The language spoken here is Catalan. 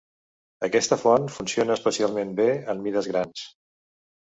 Aquesta font funciona especialment bé en mides grans.